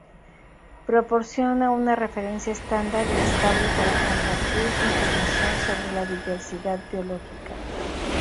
Proporciona una referencia estándar y estable para compartir información sobre diversidad biológica.